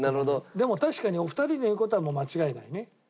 でも確かにお二人の言う事はもう間違いないね。